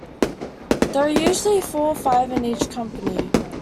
There are usually four or five in each company.